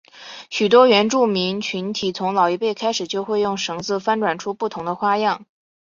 许多原住民群体从老一辈开始就会用绳子翻转出不同的花样。